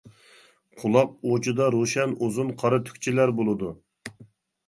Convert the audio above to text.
قۇلاق ئۇچىدا روشەن ئۇزۇن قارا تۈكچىلەر بولىدۇ.